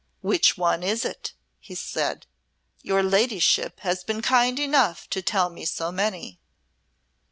"Which one is it?" he said. "Your ladyship has been kind enough to tell me so many."